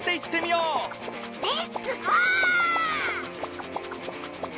レッツゴー！